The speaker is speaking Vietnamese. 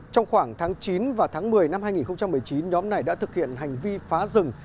trong khoảng tháng chín và tháng một mươi năm hai nghìn một mươi chín nhóm này đã thực hiện hành vi phá rừng